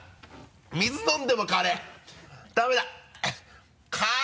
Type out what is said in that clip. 水飲んでも辛い！